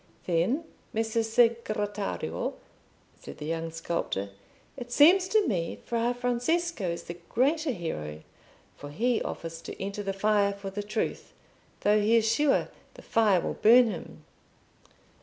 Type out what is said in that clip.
"Then, Messer Segretario," said the young sculptor, "it seems to me Fra Francesco is the greater hero, for he offers to enter the fire for the truth, though he is sure the fire will burn him."